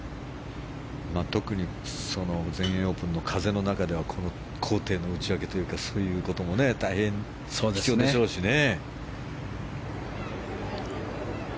特に全英オープンの風の中ではこの高低の打ち分けというかそういうことも大変、必要でしょうしね。